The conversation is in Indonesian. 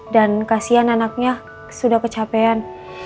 dan kasihan anaknya sudah kecapean